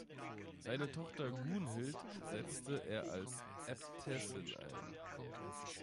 Seine Tochter Gunhild setzte er als Äbtissin ein.